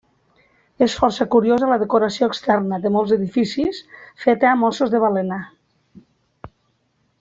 És força curiosa la decoració externa de molts edificis feta amb ossos de balena.